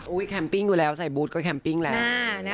แคมปิ้งอยู่แล้วใส่บูธก็แคมปิ้งแล้ว